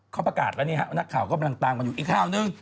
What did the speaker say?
เขาประกาศแล้วนี่ฮะนักข่าวก็กำลังตามกันอยู่อีกข่าวหนึ่ง